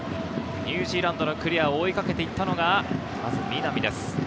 ニュージーランドのクリアを追いかけて行ったのが南です。